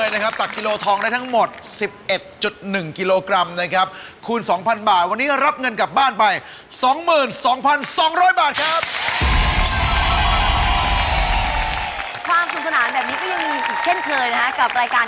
ในรอบนี้ทองคำข้างหน้าคุณ